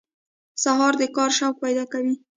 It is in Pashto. سهار د کار شوق پیدا کوي.